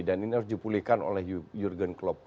dan ini harus dipulihkan oleh jurgen klopp